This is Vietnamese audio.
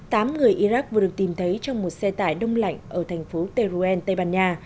tám người iraq vừa được tìm thấy trong một xe tải đông lạnh ở thành phố teruen tây ban nha